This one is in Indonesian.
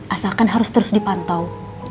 asalkan harus terus dipantau